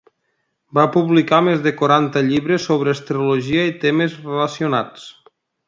Va publicar més de quaranta llibres sobre astrologia i temes relacionats.